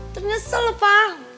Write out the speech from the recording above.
ntar nyesel loh pak